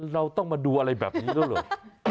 เราต้องมาดูอะไรแบบนี้ด้วยล่ะ